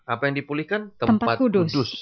apa yang dipulihkan tempat duduk